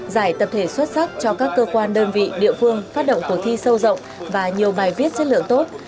giải tập thể xuất sắc cho các cơ quan đơn vị địa phương phát động cuộc thi sâu rộng và nhiều bài viết chất lượng tốt